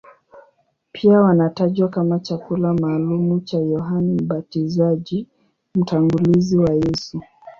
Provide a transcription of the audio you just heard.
Pia wanatajwa kama chakula maalumu cha Yohane Mbatizaji, mtangulizi wa Yesu.